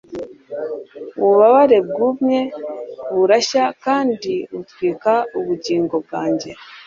ububabare bwumye burashya kandi butwika ubugingo bwanjye